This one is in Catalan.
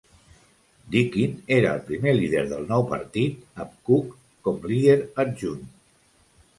Deakin era el primer líder del nou partit, amb Cook com líder adjunt.